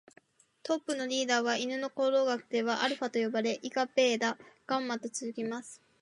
トップのリーダーは犬の行動学ではアルファと呼ばれ、以下ベータ、ガンマと続きます。